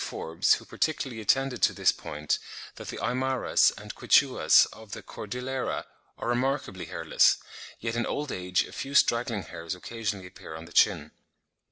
Forbes, who particularly attended to this point, that the Aymaras and Quichuas of the Cordillera are remarkably hairless, yet in old age a few straggling hairs occasionally appear on the chin.